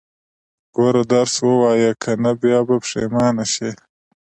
ګوره، درس ووايه، که نه بيا به پښيمانه شې.